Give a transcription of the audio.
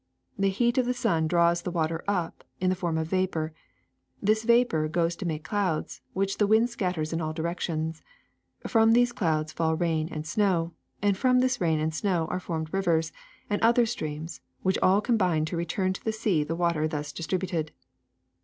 The heat of the sun draws the water up in the form of vapor ; this vapor goes to make clouds, which the wind scatters in all directions; from these clouds fall rain and snow ; and from this rain and snow are formed rivers and other streams which all combine to return to the sea the water thus distributed.